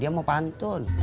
dia mau pantun